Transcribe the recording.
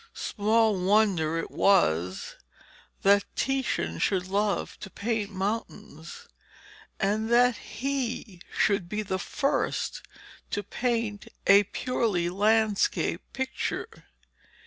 Small wonder it was that Titian should love to paint mountains, and that he should be the first to paint a purely landscape picture.